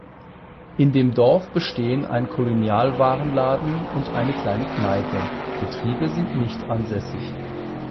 In dem Dorf bestehen ein Kolonialwarenladen und eine kleine Kneipe; Betriebe sind nicht ansässig.